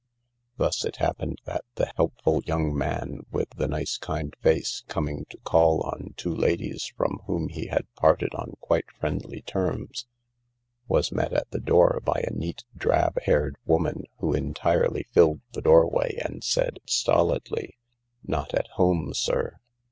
Thus it happened that the helpful young man with the nice, kind face, coming to call on two ladies from whom he had parted on quite friendly terms, was met at the door by a neat, n THE LARK drab haired woman who entirely filled the doorway and said stolidly :" Not at home, sir."